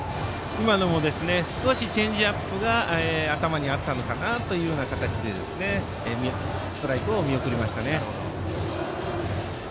今のも少しチェンジアップが頭にあったのかなという形でストライクを見送りました。